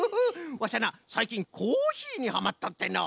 ワシはなさいきんコーヒーにハマっとってのう。